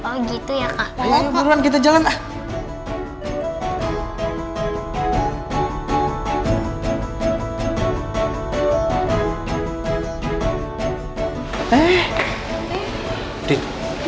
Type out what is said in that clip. kayak gitu ya kak kita jalan jalan